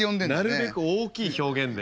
なるべく大きい表現で。